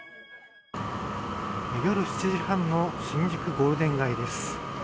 夜７時半の新宿・ゴールデン街です。